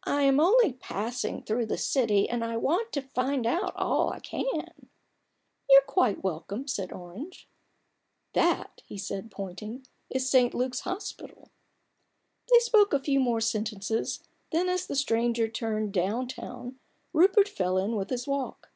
" I am only passing through the city, and I want to find out all I can/' " You're quite welcome," said Orange. 10 A BOOK OF BARGAINS. "That," he added, pointing, "is St. Luke's Hospital." They spoke a few more sentences, then as the stranger turned "down town," Rupert fell in with his walk.